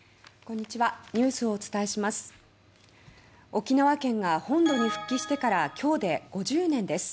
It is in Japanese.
沖縄県が本土に復帰してから今日で５０年です。